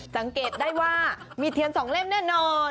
สังเกตได้ว่ามีเทียน๒เล่มแน่นอน